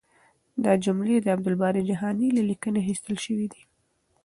دا جملې د عبدالباري جهاني له لیکنې اخیستل شوې دي.